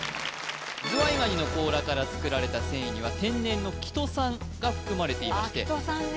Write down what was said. ズワイガニの甲羅から作られた繊維には天然のキトサンが含まれていましてあっキトサンね